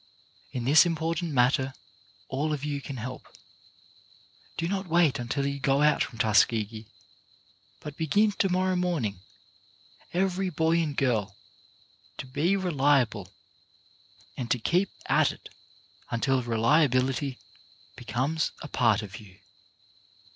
In this important matter all of you can help. Do not wait until you go out from Tuskegee, but begin to morrow morning, every boy and girl, to be reliable and to keep at it until reliability becomes a part of you.